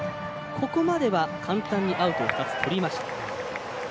ここまでは簡単にアウト２つとりました。